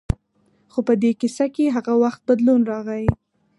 خو په دې کیسه کې هغه وخت بدلون راغی.